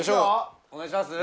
お願いします。